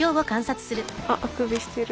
あっあくびしてる。